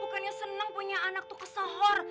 bukannya seneng punya anak tuh kesohor